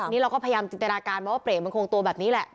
นี่เราก็พยายามจินตนาการเพราะว่าเบรกมันคงตัวแบบนี้แหละ